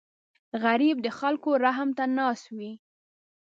غریب د خلکو رحم ته ناست وي